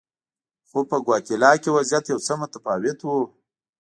خو په ګواتیلا کې وضعیت یو څه متفاوت و.